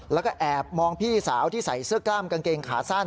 แล้วก็แอบมองพี่สาวที่ใส่เสื้อกล้ามกางเกงขาสั้น